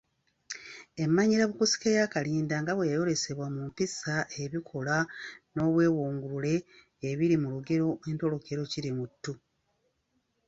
Emmanyirabukusike ya Kalinda nga bw’eyolesebwa mu mpisa, ebikolwa, n’obwebungulule ebiri mu lugero entolokero Kirimuttu.